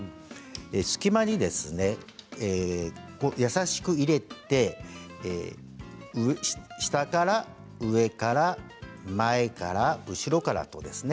隙間に優しく入れて下から上から前から後ろからですね。